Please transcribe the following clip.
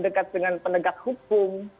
dengan pendekat hukum